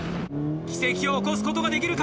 奇跡を起こすことができるか？